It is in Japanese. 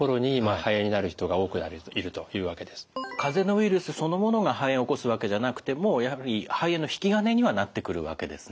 ですのでかぜなどがかぜのウイルスそのものが肺炎を起こすわけじゃなくてもやはり肺炎の引き金にはなってくるわけですね。